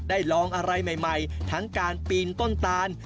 ลองอะไรใหม่ทั้งการปีนต้นตาล